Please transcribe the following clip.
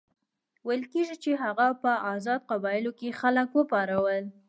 ویل کېږي چې هغه په آزادو قبایلو کې خلک وپارول.